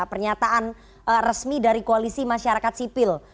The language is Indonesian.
pernyataan resmi dari koalisi masyarakat sipil